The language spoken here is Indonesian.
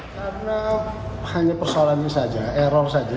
karena hanya persoalan ini saja error saja